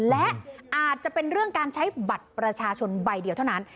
และอาจจะเป็นเรื่องการใช้บัตรประชาชนใบเดียวเท่านั้น